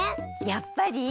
やっぱり？